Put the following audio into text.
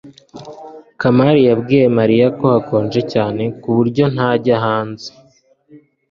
kamali yabwiye mariya ko hakonje cyane ku buryo ntajya hanze